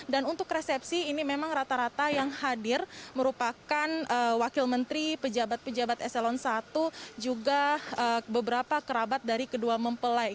dan untuk resepsi ini memang rata rata yang hadir merupakan wakil menteri pejabat pejabat eselon i juga beberapa kerabat dari kedua mempelai